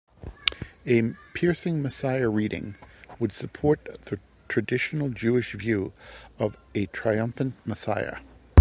A "piercing messiah" reading would support the traditional Jewish view of a triumphant messiah.